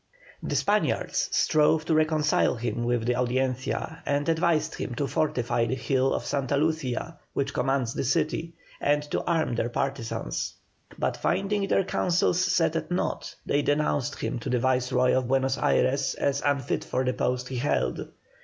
The Spaniards strove to reconcile him with the Audiencia, and advised him to fortify the hill of Santa Lucia which commands the city, and to arm their partisans; but finding their counsels set at nought, they denounced him to the Viceroy of Buenos Ayres as unfit for the post he held.